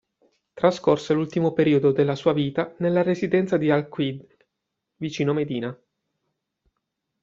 Trascorse l'ultimo periodo della sua vita nella residenza di al-Aqīq, vicino Medina.